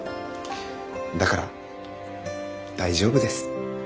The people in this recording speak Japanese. だから大丈夫です。